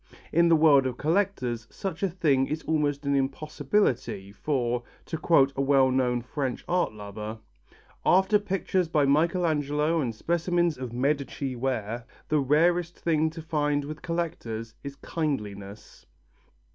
In the world of collectors such a thing is almost an impossibility for, to quote a well known French art lover: "After pictures by Michelangelo and specimens of Medici ware, the rarest thing to find with collectors is kindliness."